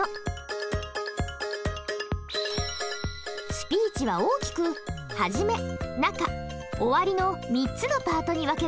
スピーチは大きくはじめなかおわりの３つのパートに分けられます。